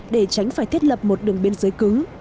để tránh phải thiết lập một đường biên giới cứng